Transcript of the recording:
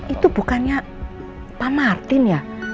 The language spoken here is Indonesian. itu bukannya pak martin ya